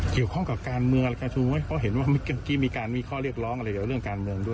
เกี่ยวข้องกับการเมืองอะไรกันชูไหมเพราะเห็นว่าเมื่อกี้มีการมีข้อเรียกร้องอะไรเกี่ยวกับเรื่องการเมืองด้วย